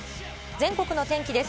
全国の天気です。